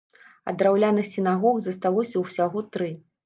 А драўляных сінагог засталося ўсяго тры.